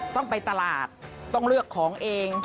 ต้องไปตลาดต้องเลือกของเอง